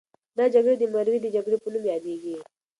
دا جګړه د مروې د جګړې په نوم یادیږي.